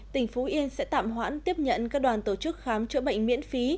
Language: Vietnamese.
tỉnh phú yên sẽ tạm hoãn tiếp nhận các đoàn tổ chức khám chữa bệnh miễn phí